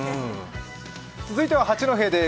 続いては八戸です。